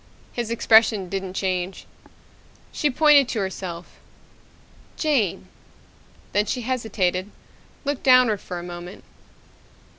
His expression didn't change. She pointed to herself. "Jane." Then she hesitated, looked downward for a moment.